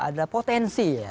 ada potensi ya